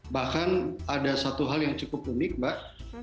bahkan ada satu hal yang cukup unik mbak